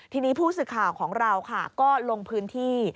ทีนี้ผู้สื่อข่าวของเราค่ะก็ลงพื้นที่